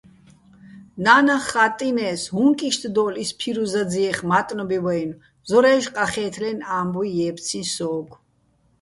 ნა́ნახ ხა́ტტინე́ს, უ̂ჼკ იშტ დო́ლო̆ ის ფირუზაძიეხ მა́ტნობივ-ა́ჲნო̆, ზორა́ჲში̆ ყახე́თლეჲნი̆ ა́მბუჲ ჲე́ფციჼ სოგო̆.